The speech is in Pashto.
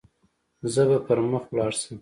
زه به پر مخ ولاړ شم.